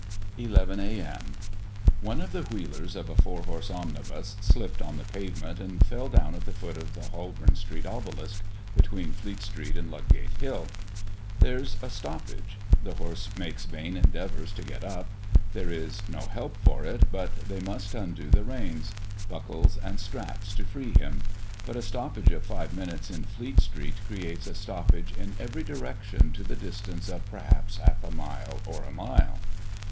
Eleven A.M. One of the wheelers of a four horse omnibus slipped on the pavement and fell down at the foot of the Holborn side obelisk, between Fleet street and Ludgate hill. There's a stoppage. The horse makes vain endeavours to get up; there is no help for it, they must undo reins, buckles and straps to free him. But a stoppage of five minutes in Fleet street creates a stoppage in every direction to the distance of perhaps half a mile or a mile.